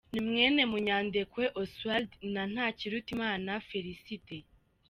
Ni mwene Munyandekwe Oswald na Ntakirutimana Félicité.